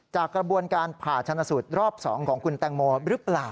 กระบวนการผ่าชนสูตรรอบ๒ของคุณแตงโมหรือเปล่า